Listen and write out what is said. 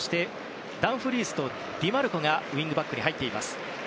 ダンフリースとディマルコがウィングバックに入っています。